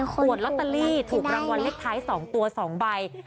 ขวดลอตเตอรี่ถูกรางวัลเลขท้าย๒ตัว๒ใบ